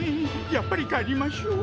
やっぱり帰りましょう。